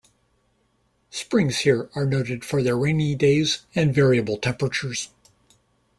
Springs here are noted for their rainy days and variable temperatures.